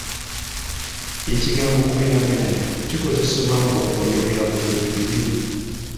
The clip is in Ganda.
Ekigambo kugeraageranya kikozesebwa nga oyogera ku bintu bibiri.